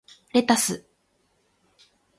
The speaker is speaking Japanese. レタス